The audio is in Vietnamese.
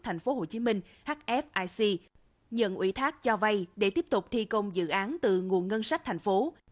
tp hcm hfic nhận ủy thác cho vay để tiếp tục thi công dự án từ nguồn ngân sách thành phố